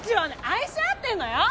愛し合ってんのよ。